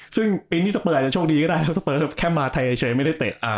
ซึ่งปีนี้สเปอร์ช่วงดีก็ได้เพราะสเปอร์แค่มาไทยเฉยไม่ได้เตะ